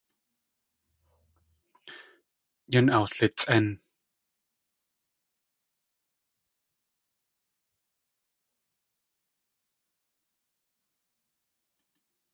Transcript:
Yan awlitsʼén.